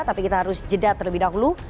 tapi kita harus jeda terlebih dahulu